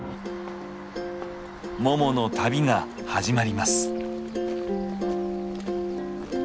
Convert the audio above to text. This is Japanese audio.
ももの旅が始まります。